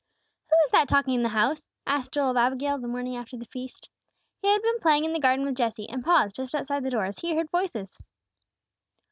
"WHO is that talking in the house?" asked Joel of Abigail the morning after the feast. He had been playing in the garden with Jesse, and paused just outside the door as he heard voices.